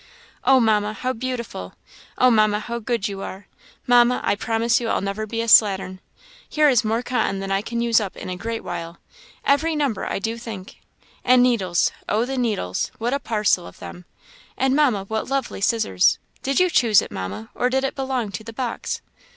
"Oh, Mamma, how beautiful! Oh, Mamma, how good you are! Mamma, I promise you I'll never be a slattern. Here is more cotton than I can use up in a great while every number, I do think; and needles, oh, the needles! what a parcel of them! and, Mamma, what a lovely scissors! Did you choose it, Mamma, or did it belong to the box?"